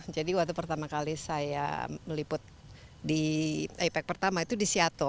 jadi waktu pertama kali saya meliput di apec pertama itu di seattle